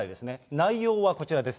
内容はこちらです。